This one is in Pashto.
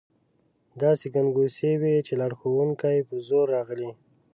داسې ګنګوسې وې چې لارښوونکي په زور راغلي.